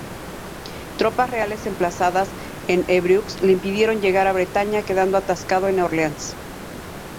Tropas reales emplazadas en Évreux le impidieron llegar a Bretaña, quedando atascado en Orleans.